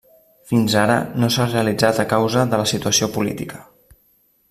Fins ara, no s'ha realitzat a causa de la situació política.